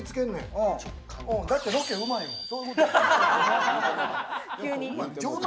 だってロケうまいもん。